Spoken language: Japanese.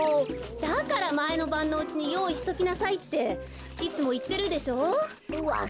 だからまえのばんのうちによういしときなさいっていつもいってるでしょう？